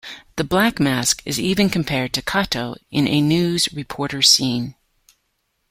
The Black Mask is even compared to Kato in a news reporter scene.